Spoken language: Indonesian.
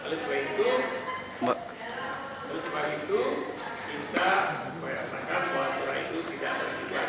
lalu sebab itu kita menyatakan bahwa surat itu tidak bersifat